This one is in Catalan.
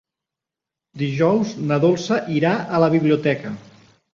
Dijous na Dolça irà a la biblioteca.